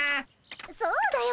そうだよ